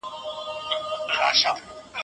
ځان یې دروند سو لکه کاڼی په اوبو کي